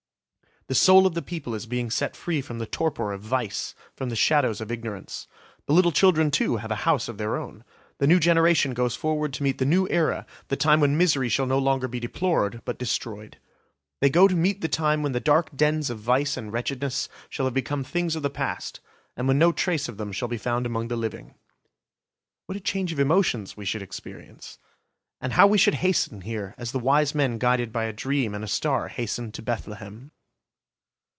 The soul of the people is being set free from the torpor of vice, from the shadows of ignorance. The little children too have a 'House' of their own. The new generation goes forward to meet the new era, the time when misery shall no longer be deplored but destroyed. They go to meet the time when the dark dens of vice and wretchedness shall have become things of the past, and when no trace of them shall be found among the living." What a change of emotions we should experience! And how we should hasten here, as the wise men guided by a dream and a star hastened to Bethlehem!